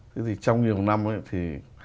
thế thì trong nhiều năm ấy thì